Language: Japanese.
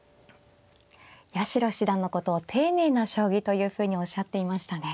八代七段のことを丁寧な将棋というふうにおっしゃっていましたね。